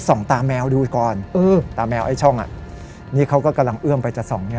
ส่องตาแมวดูก่อนอืมตาแมวไอ้ช่องอ่ะนี่เค้าก็กำลังเอื้อมไปจากสองนี้